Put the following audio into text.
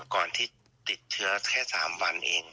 ก่อนที่ติดเชื้อแค่๓วันเอง